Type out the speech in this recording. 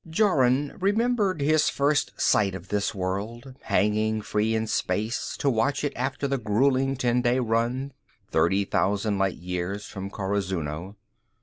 Jorun remembered his first sight of this world, hanging free in space to watch it after the gruelling ten day run, thirty thousand light years, from Corazuno.